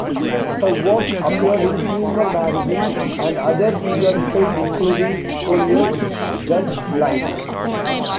Her work appeared in humor magazines and other periodicals, including "Collier's", "Judge", "Life".